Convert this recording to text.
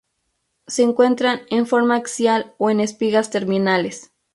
Se encuentran en forma axial o en espigas terminales.